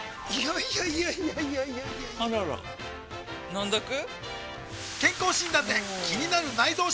いやいやいやいやあらら飲んどく？